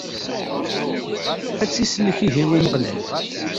Ad t-isellek ihi Umeɣlal!